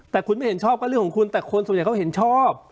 แต่คุณไม่เห็นชอบก็เรื่องของคุณแต่คนส่วนใหญ่เขาเห็นชอบ